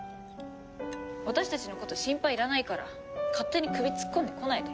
私たちの事は心配いらないから勝手に首突っ込んでこないで。